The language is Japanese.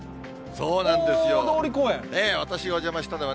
そうなんですよ。